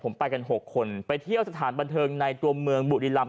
ผมไปกัน๖คนไปเที่ยวสถานบันเทิงในตัวเมืองบุรีรำ